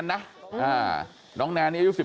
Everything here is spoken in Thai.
กลับไปลองกลับ